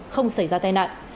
không xảy ra tai nạn